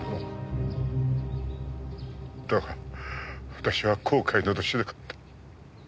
だが私は後悔などしなかった。